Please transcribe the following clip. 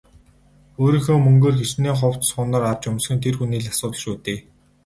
Өөрийнхөө мөнгөөр хэчнээн хувцас хунар авч өмсөх нь тэр хүний л асуудал шүү дээ.